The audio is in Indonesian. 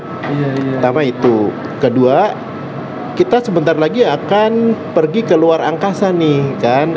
pertama itu kedua kita sebentar lagi akan pergi ke luar angkasa nih kan